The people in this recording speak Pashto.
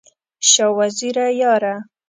شاه وزیره یاره!